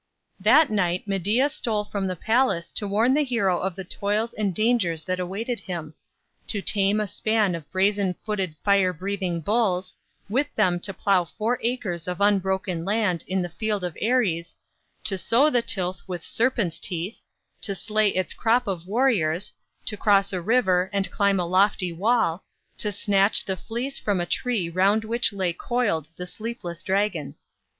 That night Medea stole from the palace to warn the hero of the toils and dangers that awaited him, to tame a span of brazen footed fire breathing bulls, with them to plough four acres of unbroken land in the field of Ares, to sow the tilth with serpents' teeth, to slay its crop of warriors, to cross a river, and climb a lofty wall, to snatch the Fleece from a tree round which lay coiled the sleepless dragon.